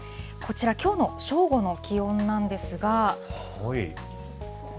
こちら、きょうの正午の気温なんですが。